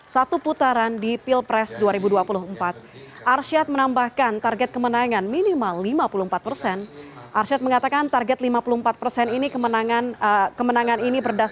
satu putaran di pilpres dua ribu dua puluh empat